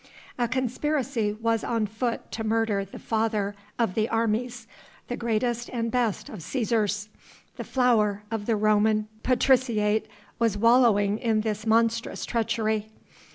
A conspiracy was on foot to murder the father of the armies, the greatest and best of Cæsars. The flower of the Roman patriciate was wallowing in this monstrous treachery.